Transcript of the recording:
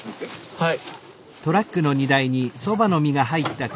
はい。